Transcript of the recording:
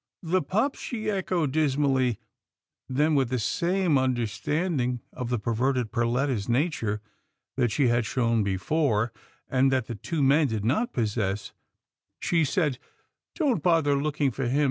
" The pup," she echoed, dismally, then, with the same understanding of the perverted Perletta's nature that she had shown before, and that the two men did not possess, she said, " Don't bother look ing for him.